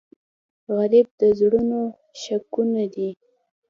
غریب د زړونو شګونه دی